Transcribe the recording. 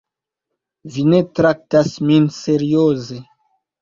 Vi ne traktas min serioze.